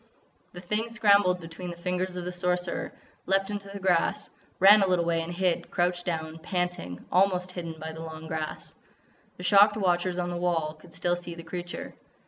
The thing scrambled between the fingers of the Sorcerer, leaped into the grass, ran a little way and hid, crouched down, panting, almost hidden by the long grass. The shocked watchers on the wall could still see the creature.